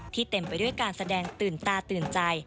เต็มไปด้วยการแสดงตื่นตาตื่นใจ